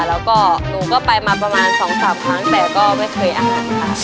แล้วก็หนูก็ไปมาประมาณ๒๓ครั้งแต่ก็ไม่เคยอ่านค่ะ